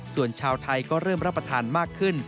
ส่วนชาวไทยก็เริ่มรับประทานมากขึ้น